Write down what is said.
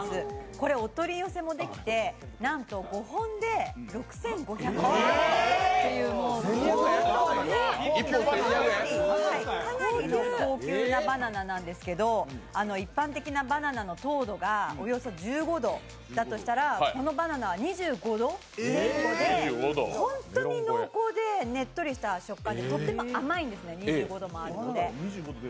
これお取り寄せもできてなんと５本で６０５０円という、もう相当な、かなりの高級なバナナなんですけど、一般的なバナナの糖度がおよそ１５度だとしたらこのバナナは２５度前後で本当に濃厚でねっとりとした食感でとっても甘いんですね、２５度もあって。